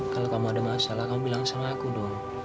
kalau kamu ada masalah kamu bilang sama aku dong